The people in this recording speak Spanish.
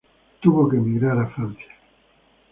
Él tuvo que emigrar a Francia.